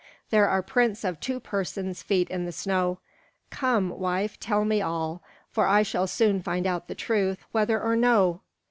There are prints of two persons' feet in the snow. Come, wife, tell me all; for I shall soon find out the truth, whether or no."